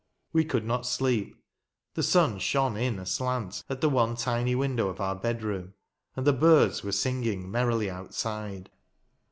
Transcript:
We could not sleep. The sun shone in aslant at the one tiny window of our bedroom, and the birds were singing merrily outside.